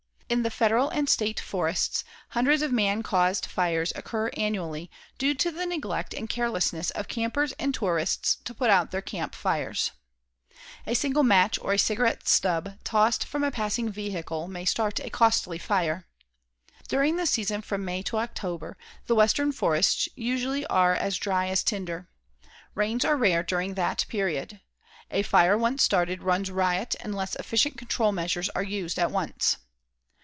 In the Federal and State forests hundreds of man caused fires occur annually, due to the neglect and carelessness of campers and tourists to put out their camp fires. A single match or a cigarette stub tossed from a passing automobile may start a costly fire. During the season from May to October, the western forests usually are as dry as tinder. Rains are rare during that period. A fire once started runs riot unless efficient control measures are used at once.